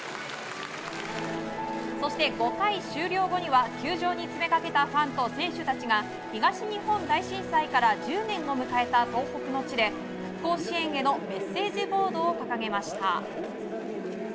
そして５回終了後には球場に詰めかけたファンと選手たちが東日本大震災から１０年を迎えた東北の地で復興支援へのメッセージボードを掲げました。